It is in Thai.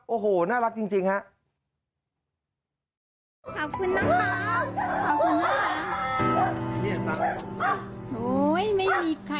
โอ้โหน่ารักจริงฮะ